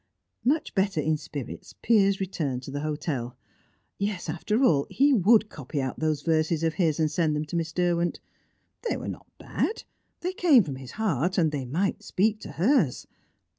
Much better in spirits, Piers returned to the hotel. Yes, after all, he would copy out those verses of his, and send them to Miss Derwent. They were not bad; they came from his heart, and they might speak to hers.